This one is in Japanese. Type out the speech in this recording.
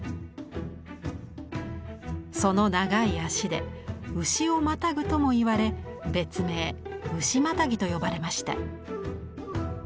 その長い脚で牛をまたぐともいわれ別名「牛跨」と呼ばれました。